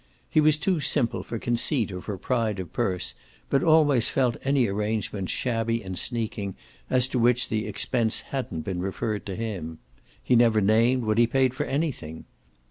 He was too simple for conceit or for pride of purse, but always felt any arrangements shabby and sneaking as to which the expense hadn't been referred to him. He never named what he paid for anything.